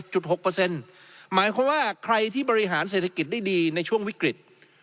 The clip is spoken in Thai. หมายความว่าใครที่บริหารเศรษฐกิจได้ดีในช่วงวิกฤต